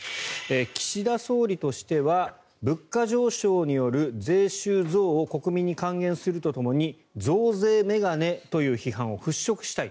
岸田総理としては物価上昇による税収増を国民に還元するとともに増税メガネという批判を払しょくしたい。